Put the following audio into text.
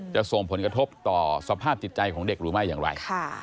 จะส่งผลกระทบต่อสภาพจิตใจของเด็กหรือไม่อย่างไร